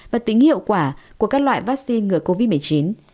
và tính hiệu quả của các loại vaccine ngừa covid một mươi chín